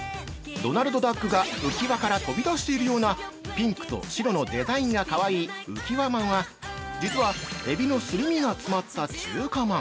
◆ドナルドダックが浮き輪から飛び出しているような、ピンクと白のデザインがかわいい「うきわまん」は、実はエビのすり身が詰まった中華まん。